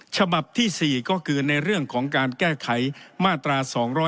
ฉบับที่๔ก็คือในเรื่องของการแก้ไขมาตรา๒๗